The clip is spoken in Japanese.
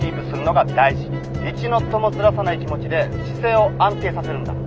１ノットもずらさない気持ちで姿勢を安定させるんだ。